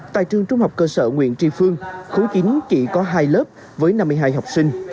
tại trường trung học cơ sở nguyễn tri phương khu chín chỉ có hai lớp với năm mươi hai học sinh